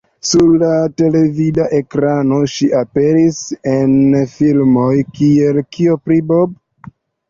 Sur la televida ekrano, ŝi aperis en filmoj kiel "Kio pri Bob?